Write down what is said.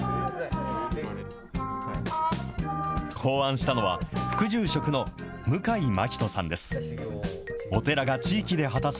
考案したのは、副住職の向井真人さんです。